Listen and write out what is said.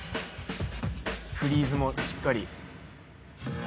フリーズもしっかり。